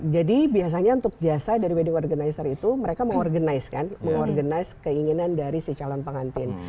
jadi biasanya untuk jasa dari wedding organizer itu mereka mengorganiskan keinginan dari si calon pengantin